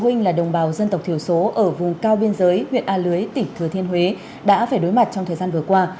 phụ huynh là đồng bào dân tộc thiểu số ở vùng cao biên giới huyện a lưới tỉnh thừa thiên huế đã phải đối mặt trong thời gian vừa qua